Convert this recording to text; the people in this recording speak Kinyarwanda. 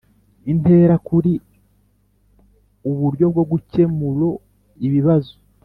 intera kuri uburyo bwo gukemuro ibibazo